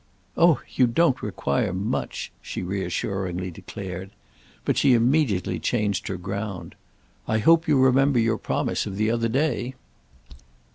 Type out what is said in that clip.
"Oh you don't require 'much'!" she reassuringly declared. But she immediately changed her ground. "I hope you remember your promise of the other day."